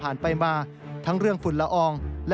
ทำให้เกิดปัชฎพลลั่นธมเหลืองผู้สื่อข่าวไทยรัฐทีวีครับ